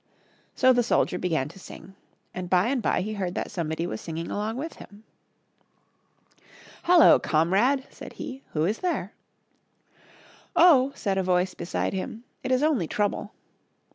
So the soldier began to sing, and by and by he heard that somebody was singing along with him. " Halloa, comrade !" said he, " who is there? " Oh ! said a voice beside him, " it is only Trouble.